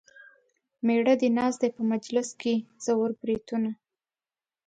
مېړه دې ناست دی په مجلس کې څور بریتونه.